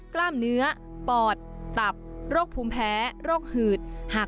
กล้ามเนื้อปอดตับโรคภูมิแพ้โรคหืดหาก